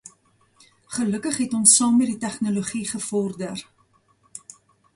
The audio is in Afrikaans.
Gelukkig het ons saam met die tegnologie gevorder.